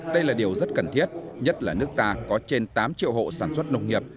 đây là điều rất cần thiết nhất là nước ta có trên tám triệu hộ sản xuất nông nghiệp